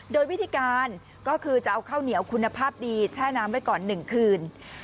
โดยวิธีการก็คือจะเอาข้าวเหนียวคุณภาพดีแช่น้ำไว้ก่อน๑คืน